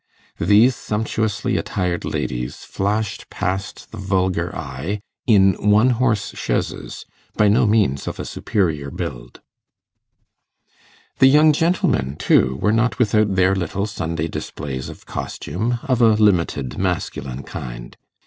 These sumptuously attired ladies flashed past the vulgar eye in one horse chaises, by no means of a superior build. The young gentlemen, too, were not without their little Sunday displays of costume, of a limited masculine kind. Mr.